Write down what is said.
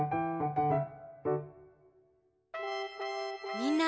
みんな。